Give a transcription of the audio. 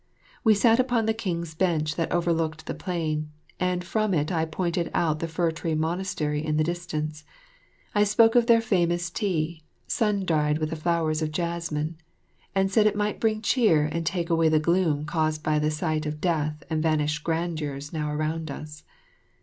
We sat upon the King's bench that overlooked the plain, and from it I pointed out the Fir tree Monastery in the distance. I spoke of their famous tea, sun dried with the flowers of jessamine, and said it might bring cheer and take away the gloom caused by the sight of death and vanished grandeurs now around us.